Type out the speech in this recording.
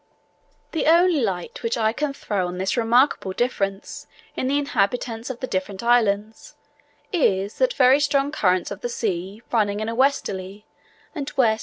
The only light which I can throw on this remarkable difference in the inhabitants of the different islands, is, that very strong currents of the sea running in a westerly and W.N.